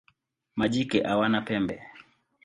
Majike hawana pembe.